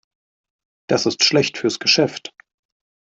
Das ist schlecht fürs Geschäft.